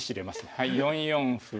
はい４四歩。